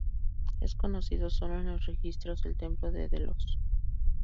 Es conocido sólo en los registros del templo de Delos.